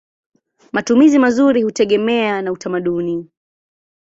Matumizi mazuri hutegemea na utamaduni.